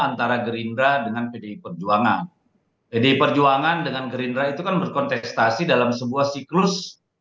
antara gerindra dengan pdi perjuangan pdi perjuangan dengan gerindra itu kan berkontestasi dalam sebuah siklus